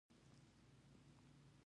د "ذ" حرف د سړک په نوم کې هم کارول کیږي.